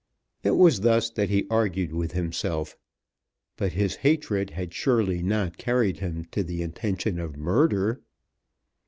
It was thus that he argued with himself. But his hatred had surely not carried him to the intention of murder!